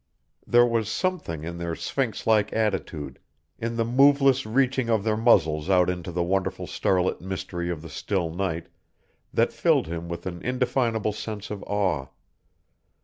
There was something in their sphynx like attitude, in the moveless reaching of their muzzles out into the wonderful starlit mystery of the still night that filled him with an indefinable sense of awe.